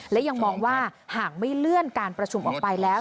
และยังมองว่าหากไม่เลื่อนการประชุมออกไปแล้ว